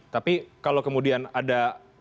tapi kalau kemudian ada